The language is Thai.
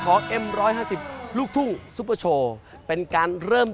เป็นสิ่งใดที่โทษกันก็ยอม